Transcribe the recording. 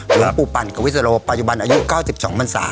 หลวงปู่ปั่นกวิสโลปปัจจุบันอายุเก้าสิบสองบรรษา